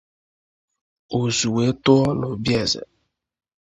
Ụzụ wee tụọ n’obi eze